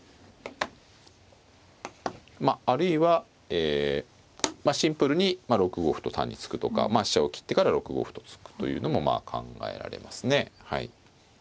まああるいはえまあシンプルに６五歩と単に突くとかまあ飛車を切ってから６五歩と突くというのもまあ考えられますね。